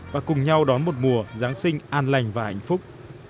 và cùng nhau đón một mùa giáng sinh an lành và hạnh phúc